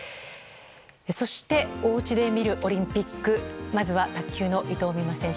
そしておうちで見るオリンピックまずは卓球の伊藤美誠選手。